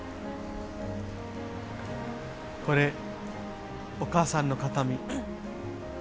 これ、お母さんの形見。